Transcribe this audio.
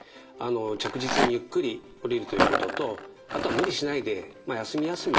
着実にゆっくり下りるということとあとは無理しないで休み休みですね